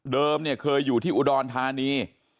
เนี่ยเคยอยู่ที่อุดรธานี